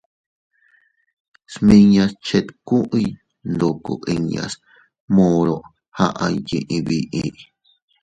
Smiñas chetkuy ndoko inñas moro aʼay yiʼi biʼi.